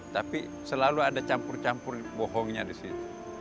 tapi selalu ada campur campur bohongnya disitu